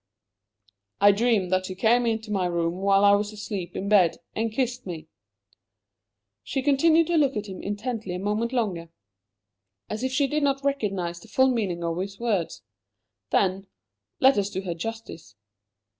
"I dreamed that you came into my room while I was asleep in bed, and kissed me!" She continued to look at him intently a moment longer, as if she did not realize the full meaning of his words. Then let us do her justice!